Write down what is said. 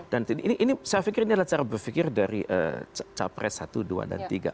dan ini saya pikir ini adalah cara berpikir dari capres satu dua dan tiga